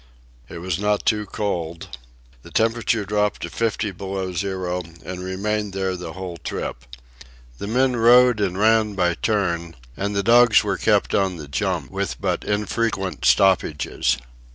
It was not too cold. The temperature dropped to fifty below zero and remained there the whole trip. The men rode and ran by turn, and the dogs were kept on the jump, with but infrequent stoppages.